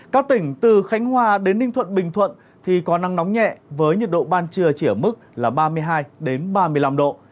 các tỉnh từ khánh hòa đến ninh thuận bình thuận thì có nắng nóng nhẹ với nhiệt độ ban trưa chỉ ở mức là ba mươi hai ba mươi năm độ